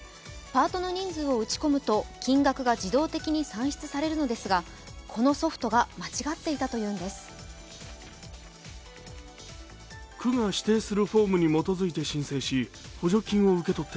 パートの人数を打ち込むと金額が自動的に算出されるのですが、このソフトが間違っていたというのです。